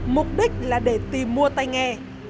mục đích là để tìm mua tay nghe